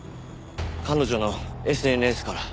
彼女のＳＮＳから。